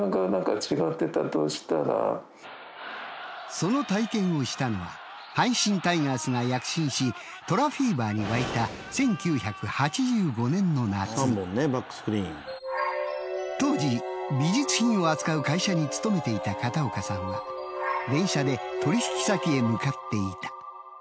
その体験をしたのは阪神タイガースが躍進し虎フィーバーに沸いた当時美術品を扱う会社に勤めていた片岡さんは向かっていた。